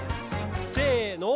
せの。